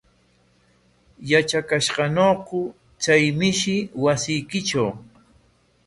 ¿Yatrakashqañaku chay mishi wasiykitraw?